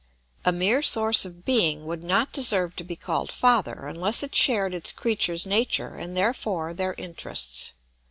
A mere source of being would not deserve to be called father, unless it shared its creatures' nature and therefore their interests.